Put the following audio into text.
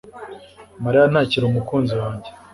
Mariya ntakiri umukunzi wanjye